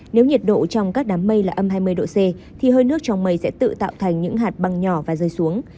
nếu nhiệt độ trong các đám mây là âm hai mươi độ c thì hơi nước trong mây sẽ tự tạo thành những hạt băng nhỏ và rơi xuống